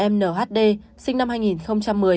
m n h d sinh năm hai nghìn một mươi